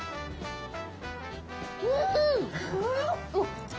うん！